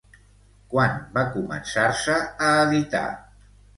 Quan va començar-se a editar?